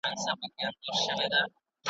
نارنج ګل مي پر زړه ګرځي انارګل درڅخه غواړم .